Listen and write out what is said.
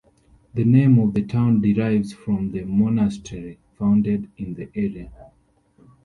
The name of the town derives from the monastery founded in the area.